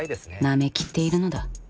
ナメきっているのだ。